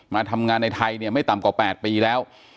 มาทำงานในไทยเนี่ยไม่ต่ำกว่า๘ปีแล้ว